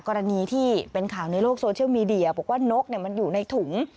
กรณีที่เป็นข่าวในโลกโซเชียลมีเดียบอกว่านกมันอยู่ในถุง